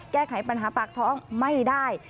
แก้ไขปัญหาปากท้องไม่ได้